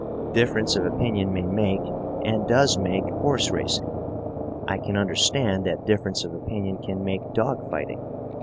Difference of opinion may make, and does make, horse racing. I can understand that difference of opinion can make dog fighting.